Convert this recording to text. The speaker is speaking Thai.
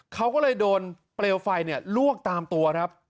เขาก็เลยโดนเปลวไฟลวกตามตัวครับ